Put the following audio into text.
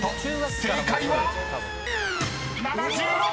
［正解は⁉］